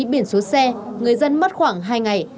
biển số xe người dân mất khoảng hai ngày